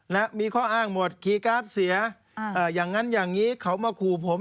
นะมีข้ออ้างหมดคีย์การ์ดเสียอ่าอย่างงั้นอย่างงี้เขามาขู่ผม